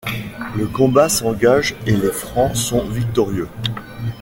Le combat s'engage et les Francs sont victorieux.